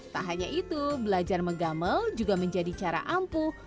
tak hanya itu belajar menggamel juga menjadi cara ampuh